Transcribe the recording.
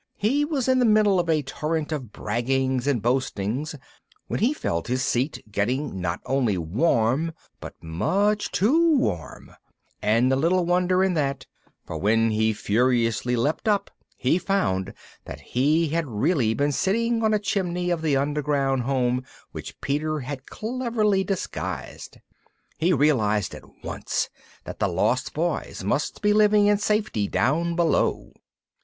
He was in the middle of a torrent of braggings and boastings when he felt his seat getting not only warm, but much too warm, and little wonder in that, for when he furiously leapt up he found that he had really been sitting on a chimney of the underground home which Peter had cleverly disguised. He realised at once that the Lost Boys must be living in safety down below.